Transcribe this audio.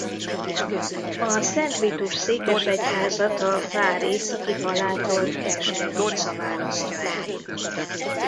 A Szent Vitus-székesegyházat a vár északi falától keskeny utca választja el.